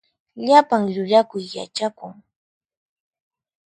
Llapan llullakuy yachakun.